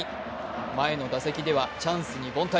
前の打席ではチャンスに凡退。